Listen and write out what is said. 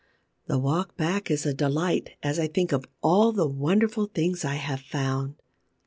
The walk back is a delight, as I think of all the wonderful things I have found.